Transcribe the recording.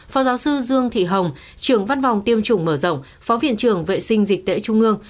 phó giáo sư dương thị hồng trưởng văn phòng tiêm chủng mở rộng phó viện trưởng vệ sinh dịch tễ trung ương